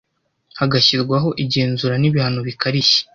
Hagashyirwaho igenzura n’ibihano bikarishye